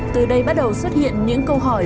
từ đây bắt đầu xuất hiện những câu hỏi